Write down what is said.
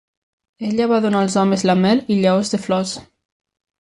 Ella va donar als homes la mel i llavors de flors.